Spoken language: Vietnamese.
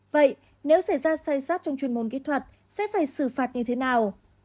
vậy nếu xảy ra sai sót trong chuyên môn kỹ thuật sẽ phải xử phạt như thế nào